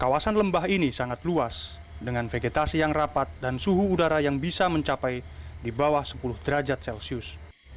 kawasan lembah ini sangat luas dengan vegetasi yang rapat dan suhu udara yang bisa mencapai di bawah sepuluh derajat celcius